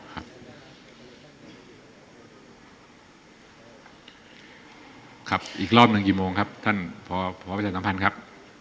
ครับอีกรอบหนึ่งกี่โมงครับท่านพอประชาสัมพันธ์ครับ